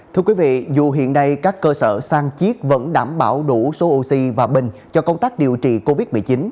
thưa quý vị dù hiện nay các cơ sở sang chiết vẫn đảm bảo đủ số oxy và bình cho công tác điều trị covid một mươi chín